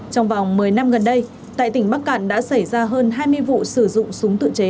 trong vòng một mươi năm gần đây tại tỉnh bắc cạn đã xảy ra hơn hai mươi vụ sử dụng súng tự chế